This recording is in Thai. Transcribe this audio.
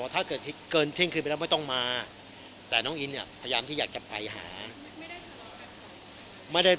แต่น้องอินพยายามอยากจะไปสิ